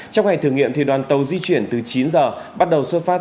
trong ngày thử nghiệm đoàn tàu di chuyển từ chín giờ bắt đầu xuất phát